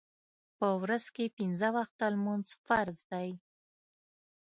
په ورځ کې پنځه وخته لمونځ فرض دی